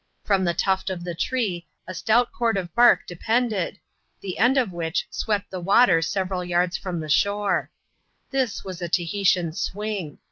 From the tuft of the tree, a stout cord of bark depended, the end of which swept the water several yards from the shore. This was a Tahitian swing.